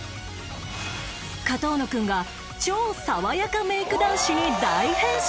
上遠野くんが超さわやかメイク男子に大変身！